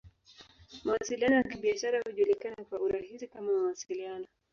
Mawasiliano ya Kibiashara hujulikana kwa urahisi kama "Mawasiliano.